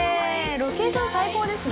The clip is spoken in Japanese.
ロケーション最高ですね。